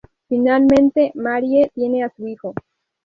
Finalmente, Marie tiene a su hijo.